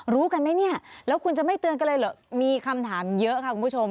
รู้กันไหมเนี่ยแล้วคุณจะไม่เตือนกันเลยเหรอมีคำถามเยอะค่ะคุณผู้ชม